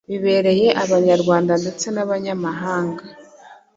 bibereye abanyarwanda ndetse n’abanyamahanga